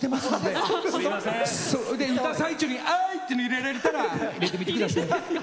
本当？で歌最中に「あい！」っていうの入れられたら入れてみてください。